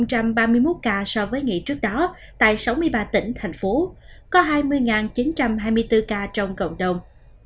giảm ba mươi một ca so với ngày trước đó tại sáu mươi ba tỉnh thành phố có hai mươi chín trăm hai mươi bốn ca trong cộng đồng